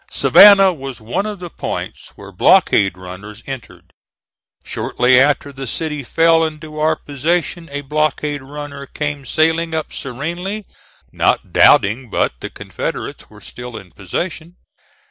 Savannah was one of the points where blockade runners entered. Shortly after the city fell into our possession, a blockade runner came sailing up serenely, not doubting but the Confederates were still in possession.